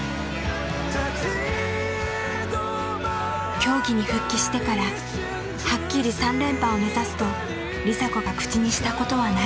競技に復帰してからはっきり３連覇を目指すと梨紗子が口にしたことはない。